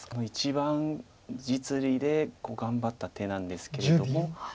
一番実利で頑張った手なんですけれども。